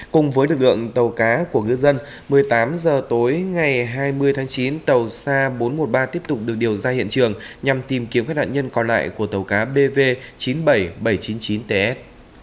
cùng với lực lượng tàu cá của ngư dân một mươi tám h tối ngày hai mươi tháng chín tàu sa bốn trăm một mươi ba tiếp tục được điều ra hiện trường nhằm tìm kiếm các nạn nhân còn lại của tàu cá bv chín mươi bảy nghìn bảy trăm chín mươi chín ts